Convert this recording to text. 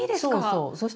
そうそう。